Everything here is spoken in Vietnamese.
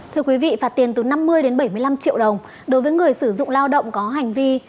thưa quý vị phạt tiền từ năm mươi đến bảy mươi năm triệu đồng đối với người sử dụng lao động có hành vi